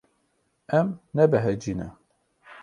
Em nebehecî ne.